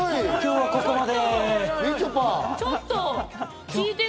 今日ここまで？